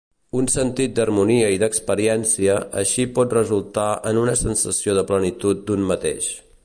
Un sentit d'harmonia i d'experiència així pot resultar en una sensació de plenitud d'un mateix.